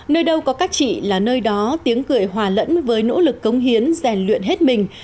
nơi đâu có các chị là nơi đó tiếng cười hòa lẫn với nỗ lực cống hiến rèn luyện hết mình